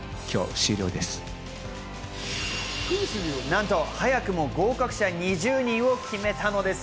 なんと、早くも合格者２０人を決めたのです。